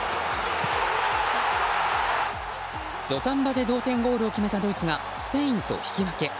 土壇場で同点ゴールを決めたドイツがスペインと引き分け。